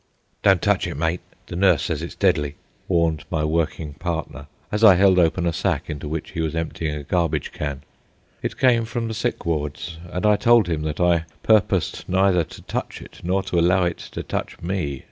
"Don't touch it, mate, the nurse sez it's deadly," warned my working partner, as I held open a sack into which he was emptying a garbage can. It came from the sick wards, and I told him that I purposed neither to touch it, nor to allow it to touch me.